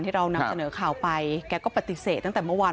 เรานำเสนอข่าวไปแกก็ปฏิเสธตั้งแต่เมื่อวาน